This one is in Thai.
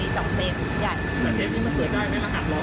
มันร้อนอย่างนี้แต่ยังไม่รู้จะเอาไงเลยเดี๋ยวต้องไปจ้างเขามาทำ